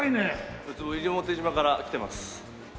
西表島から来てます。